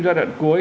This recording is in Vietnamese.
ra đoạn cuối